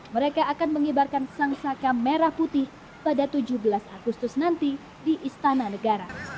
mereka akan mengibarkan sang saka merah putih pada tujuh belas agustus nanti di istana negara